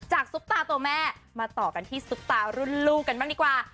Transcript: ซุปตาตัวแม่มาต่อกันที่ซุปตารุ่นลูกกันบ้างดีกว่า